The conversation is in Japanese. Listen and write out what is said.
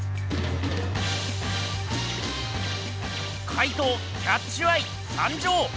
怪盗キャッチュ・アイ参上！